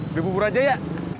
udah bubur aja ya